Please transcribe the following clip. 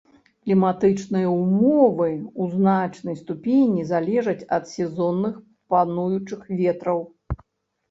Кліматычныя ўмовы ў значнай ступені залежаць ад сезонных пануючых ветраў.